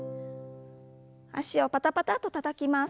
脚をパタパタとたたきます。